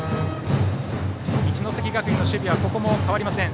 一関学院の守備は変わりません。